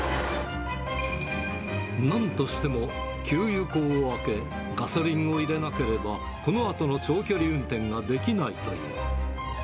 なんとしても給油口を開け、ガソリンを入れなければ、このあとの長距離運転ができないという。